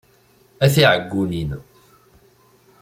A tiɛeggunin!